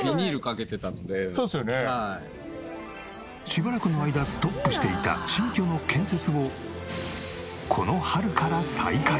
しばらくの間ストップしていた新居の建設をこの春から再開。